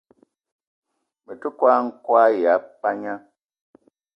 Me te kwal-n'kwal ya pagna